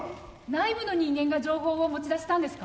内部の人間が情報を持ち出したんですか？